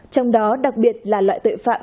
trong đó đặc biệt là loại tội phạm